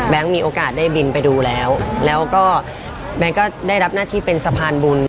มีโอกาสได้บินไปดูแล้วแล้วก็แบงค์ก็ได้รับหน้าที่เป็นสะพานบุญ